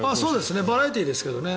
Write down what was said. バラエティーですけどね。